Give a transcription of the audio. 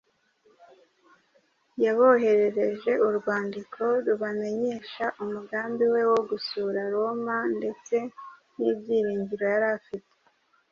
yaboherereje urwandiko rubamenyesha umugambi we wo gusura Roma ndetse n’ibyiringiro yari afite